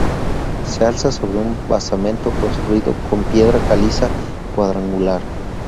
Se alza sobre un basamento construido con piedra caliza cuadrangular.